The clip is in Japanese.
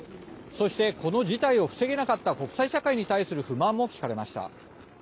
そして、この事態を防げなかった国際社会に対する不満も聞かれました。